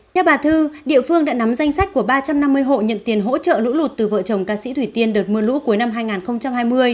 theo bà thư địa phương đã nắm danh sách của ba trăm năm mươi hộ nhận tiền hỗ trợ lũ lụt từ vợ chồng ca sĩ thủy tiên đợt mưa lũ cuối năm hai nghìn hai mươi